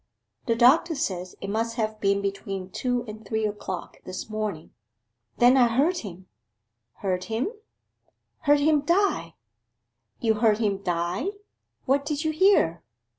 'The doctor says it must have been between two and three o'clock this morning.' 'Then I heard him!' 'Heard him?' 'Heard him die!' 'You heard him die? What did you hear?